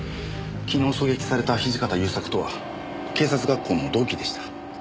昨日狙撃された土方勇作とは警察学校の同期でした。